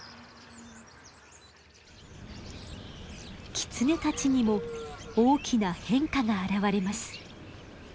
キツネたちにも大きな変化が現れます。